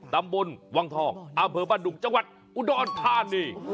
ตำบลวังทองอำเภอบ้านดุงจังหวัดอุดรธานี